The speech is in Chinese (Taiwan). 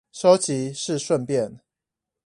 收集是順便